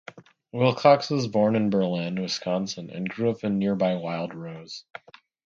Wilcox was born in Berlin, Wisconsin, and grew up in nearby Wild Rose.